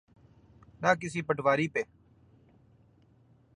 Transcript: نہ کسی پٹواری پہ۔